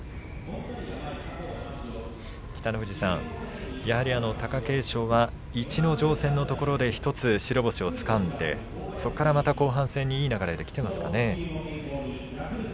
北の富士さん、やはり貴景勝は逸ノ城戦のところで１つ白星をつかんでそこからまた後半戦にいい流れで、きていますかね？